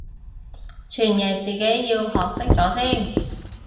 傳譯自己要學識咗先